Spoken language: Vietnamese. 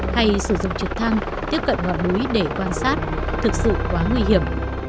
hay sử dụng trực thăng tiếp cận ngọn núi để quan sát thực sự quá nguy hiểm